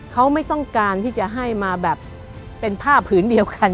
เขาไม่ต้องการที่จะให้มาแบบเป็นผ้าผืนเดียวกัน